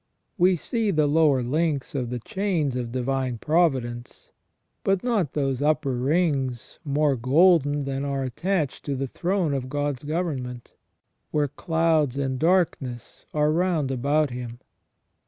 We see the lower links of the chains of divine providence, but not those upper rings more golden that are attached to the throne of God's government, where ''clouds and darkness are round about Him